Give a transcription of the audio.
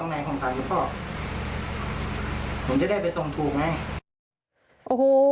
สายน้ำคลอดตรงไหนของสายน้ำคลอด